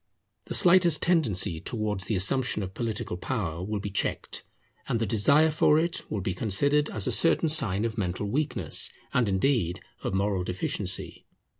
The slightest tendency towards the assumption of political power will be checked, and the desire for it will be considered as a certain sign of mental weakness, and indeed of moral deficiency.